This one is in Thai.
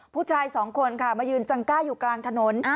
ผู้ชายสองคนค่ะมายืนจังก้าอยู่กลางถนน